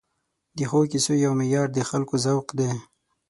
د ښو کیسو یو معیار د خلکو ذوق دی.